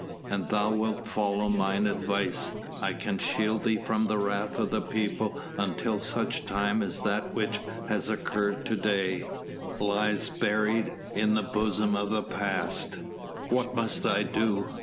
"An thou wilt follow mine advice I can shield thee from the wrath of the people until such time as that which has occurred to day, lies buried in the bosom of the past." "What must I do?...